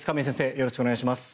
よろしくお願いします。